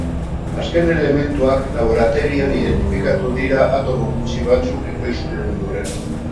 Azken elementuak laborategian identifikatu dira atomo gutxi batzuk ekoiztu ondoren.